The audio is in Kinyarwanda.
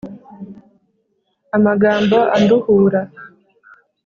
amagambo anduhura